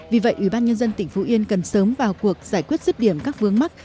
vì vậy ủy ban nhân dân tỉnh phú yên cần sớm vào cuộc giải quyết rứt điểm các vướng mắt